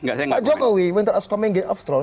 pak jokowi wintar ascomengir aftrol